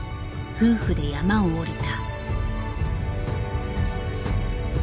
夫婦で山を下りた。